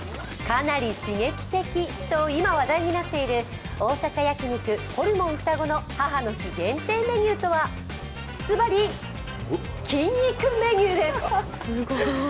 かなり刺激的と今話題になっている大阪焼肉・ホルモンふたごの母の日限定メニューとはずばり、筋肉メニューです。